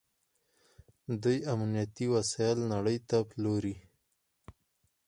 دوی امنیتي وسایل نړۍ ته پلوري.